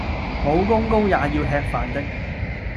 武功高也要吃飯的